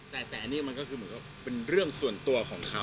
แต่อันนี้มันก็คือเหมือนกับเป็นเรื่องส่วนตัวของเขา